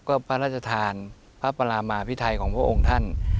ก็พระราชทานพระปรามาพิไทยของพระองค์ท่าน